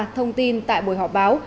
thông tin tại buổi họp báo